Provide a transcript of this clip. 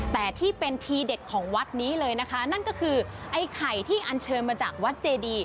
แต่ที่เป็นทีเด็ดของวัดนี้เลยนะคะนั่นก็คือไอ้ไข่ที่อันเชิญมาจากวัดเจดี